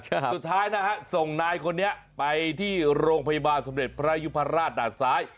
สุดท้ายนะฮะส่งนายคนนี้ไปที่โรงพยาบาลสมเด็จพระยุพราชด่านซ้าย